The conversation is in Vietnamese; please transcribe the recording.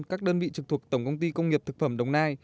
các đơn vị trực thuộc tổng công ty công nghiệp thực phẩm đồng nai